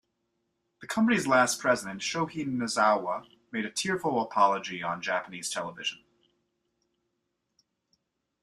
The company's last president, Shohei Nozawa made a tearful public apology on Japanese television.